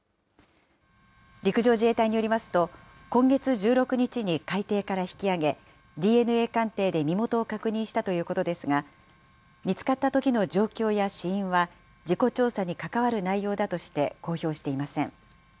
陸上自衛隊によりますと、今月１６日に海底から引きあげ、ＤＮＡ鑑定で身元を確認したということですが、見つかったときの状況や死因は、事故調査にかかわる内容だとして公表していません。